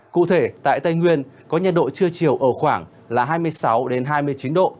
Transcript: cụ thể tại tây nguyên có nhiệt độ trưa chiều ở khoảng là hai mươi sáu hai mươi chín độ